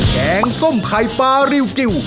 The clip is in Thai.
แกงส้มไข่ปลาริวกิว